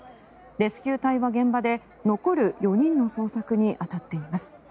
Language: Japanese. レスキュー隊は現場で残る４人の捜索に当たっています。